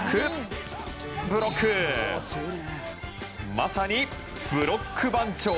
まさにブロック番長！